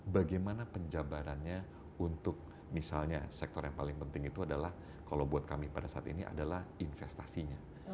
bagaimana penjabarannya untuk misalnya sektor yang paling penting itu adalah kalau buat kami pada saat ini adalah investasinya